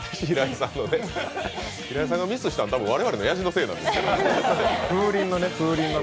平井さんがミスしたのは我々のやじのせいなんですよね。